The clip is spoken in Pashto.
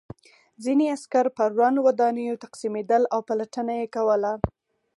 ځینې عسکر په ورانو ودانیو تقسیمېدل او پلټنه یې کوله